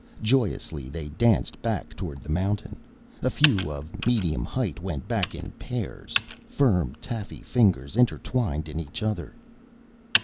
Joyously they danced back toward the mountain. A few of medium height went back in pairs, firm taffy fingers intertwined in each other.